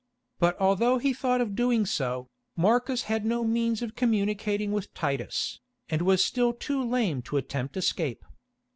But although he thought of doing so, Marcus had no means of communicating with Titus, and was still too lame to attempt escape.